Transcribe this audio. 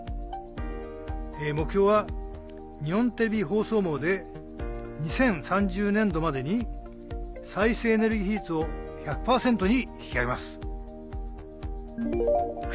目標は日本テレビ放送網で２０３０年度までに再生エネルギー比率を１００％に引き上げます。